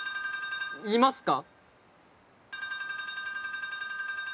いますか？